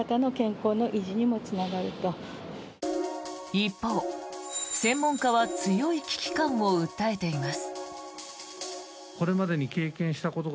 一方、専門家は強い危機感を訴えています。